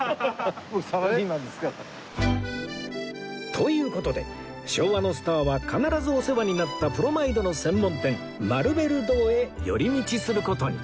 という事で昭和のスターは必ずお世話になったプロマイドの専門店マルベル堂へ寄り道する事に